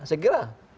saya kira bisa saja